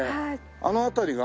あの辺りが？